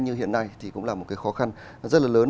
như hiện nay thì cũng là một cái khó khăn rất là lớn